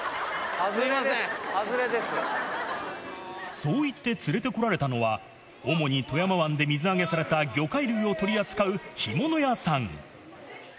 そういって連れてこられたのは、主に富山湾で水揚げされた魚介類を取り扱う干物屋さん。